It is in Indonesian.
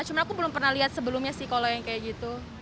cuma aku belum pernah lihat sebelumnya sih kalau yang kayak gitu